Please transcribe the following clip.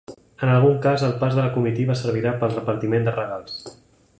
En algun cas el pas de la comitiva servirà pel repartiment de regals.